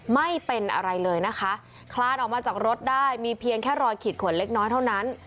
ไม่เป็นอะไรเลยนะคะคลานออกมาจากรถได้มีเพียงแค่รอยขีดขนเล็กน้อยเท่านั้น